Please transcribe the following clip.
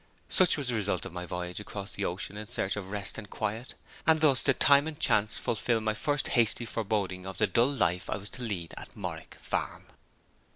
Such was the result of my voyage across the ocean in search of rest and quiet; and thus did time and chance fulfill my first hasty foreboding of the dull life I was to lead at Morwick Farm!